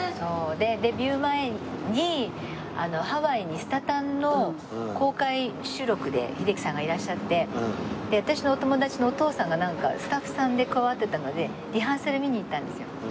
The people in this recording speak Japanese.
でデビュー前にハワイに『スタ誕』の公開収録で秀樹さんがいらっしゃって私のお友達のお父さんがなんかスタッフさんで関わってたのでリハーサル見に行ったんですよ。